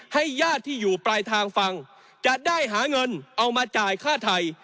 ญาติที่อยู่ปลายทางฟังจะได้หาเงินเอามาจ่ายค่าไทย